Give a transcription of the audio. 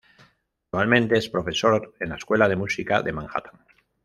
Actualmente es profesor en la Escuela de Música de Manhattan.